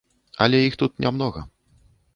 Але іх тут не многа.